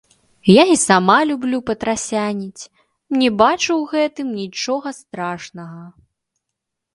Я і сама люблю патрасяніць, не бачу ў гэтым нічога страшнага.